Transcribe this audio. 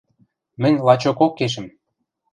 Мӹнь лачокок кешӹм.